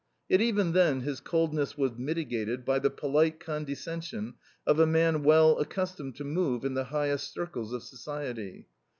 Yet even then his coldness was mitigated by the polite condescension of a man well accustomed to move in the highest circles of society.